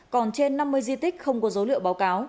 còn trên năm mươi di tích không có dấu liệu báo cáo